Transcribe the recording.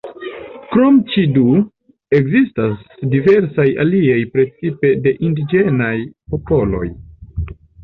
Krom ĉi du, ekzistas diversaj aliaj precipe de indiĝenaj popoloj.